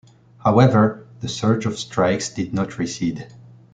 However, the surge of strikes did not recede.